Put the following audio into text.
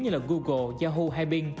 như là google yahoo hyping